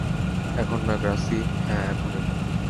এখন না, গ্রাছি - হ্যা, এখনি!